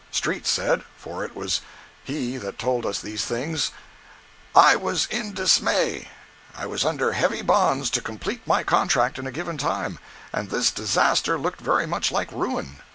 Street said—for it was he that told us these things: "I was in dismay. I was under heavy bonds to complete my contract in a given time, and this disaster looked very much like ruin.